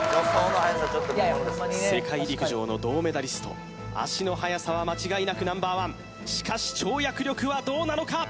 世界陸上の銅メダリスト足の速さは間違いなくＮｏ．１しかし跳躍力はどうなのか？